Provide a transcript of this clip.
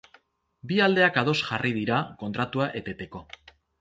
Bi aldeak ados jarri dira kontratua eteteko.